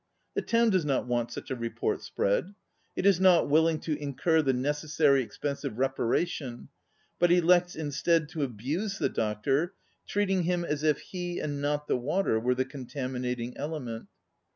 The town does not want such a report spread; it is not willing to incur the necessary expensive reparation, but elects instead to abuse the doctor, treating him as if he and not the water were the contaminating ele ment.